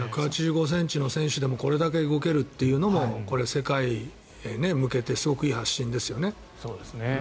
１８５ｃｍの選手でもこれだけ動けるというのもこれは世界に向けてすごいいい発信ですよね。